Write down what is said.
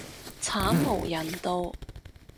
慘無人道